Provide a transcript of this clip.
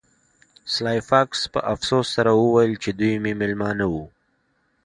سلای فاکس په افسوس سره وویل چې دوی مې میلمانه وو